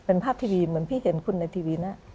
เป็นภาพทีวีเหมือนพี่เห็นคุณในทีวีนะ